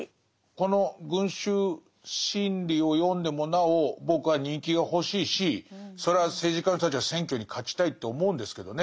この「群衆心理」を読んでもなお僕は人気が欲しいしそれは政治家の人たちは選挙に勝ちたいって思うんですけどね